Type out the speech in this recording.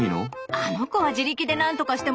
あの子は自力で何とかしてもらうわ。